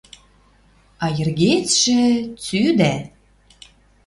А йӹргецшӹ — цӱдӓ!